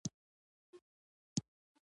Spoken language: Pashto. آیا د رومي بانجان رب تولیدوو؟